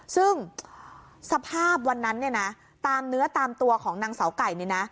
ซึ่งสภาพวันนั้นเนี่ยนะตามเนื้อตามตัวของนางเสาไก่เนี่ยนะ